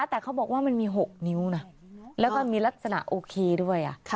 แต่เขาบอกว่ามันมี๖นิ้วนะแล้วก็มีลักษณะโอเคด้วย